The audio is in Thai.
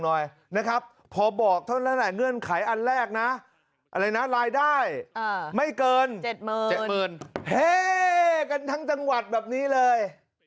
หน่อยนะครับพอบอกเท่านั้นแหละเงื่อนไขอันแรกนะอะไรนะรายได้ไม่เกิน๗๐๐๗๐๐เฮ่กันทั้งจังหวัดแบบนี้เลย